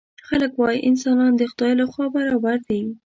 خلک وايي انسانان د خدای له خوا برابر دي.